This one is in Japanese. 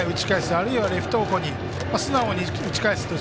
あるいはレフト方向に素直に打ち返すっていう